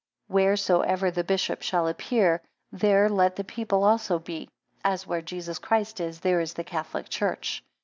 4 Wheresoever the bishop shall appear, there let the people also be: as where Jesus Christ is, there is the Catholic church.